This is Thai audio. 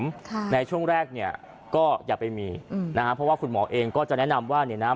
ค่ะในช่วงแรกเนี่ยก็อย่าไปมีอืมนะฮะเพราะว่าคุณหมอเองก็จะแนะนำว่าเนี่ยนะ